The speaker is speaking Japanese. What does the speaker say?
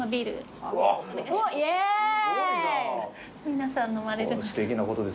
皆さんのまねで。